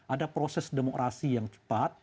ada proses demokrasi yang cepat